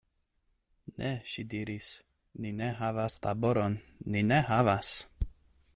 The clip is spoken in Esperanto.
Ne, ŝi diris, ni ne havas laboron, ni ne havas!